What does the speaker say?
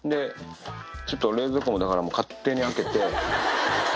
ちょっと冷蔵庫もだから勝手に開けて。